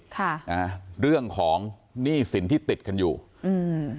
ค่ะอ่าเรื่องของหนี้สินที่ติดกันอยู่อืม